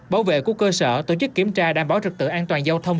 bảo vệ của cơ sở tổ chức kiểm tra đảm bảo trực tự an toàn giao thông